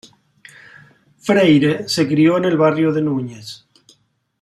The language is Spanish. Freire se crio en el barrio de Núñez.